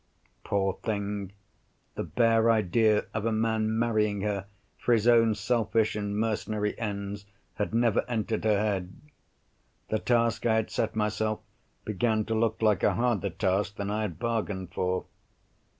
Poor thing! the bare idea of a man marrying her for his own selfish and mercenary ends had never entered her head. The task I had set myself began to look like a harder task than I had bargained for.